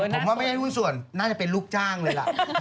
ผมว่าไม่ใช่หุ้นส่วนน่าจะเป็นลูกจ้างเลยล่ะ